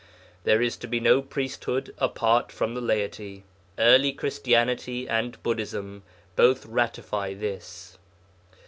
There is to be no priesthood apart from the laity. Early Christianity and Buddhism both ratify this.